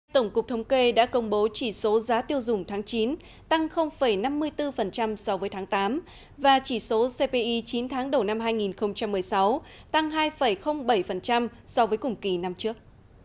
tổng cục thống kê đã công bố chỉ số giá tiêu dùng tháng chín tăng năm mươi bốn so với tháng tám và chỉ số cpi chín tháng đầu năm hai nghìn một mươi sáu tăng hai bảy so với cùng kỳ năm trước